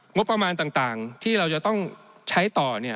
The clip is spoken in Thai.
งบประมาณต่างที่เราจะต้องใช้ต่อเนี่ย